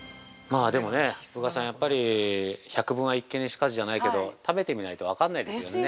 ◆宇賀さん、やっぱり百聞は一見にしかずじゃないけど食べてみないと分かんないですよね。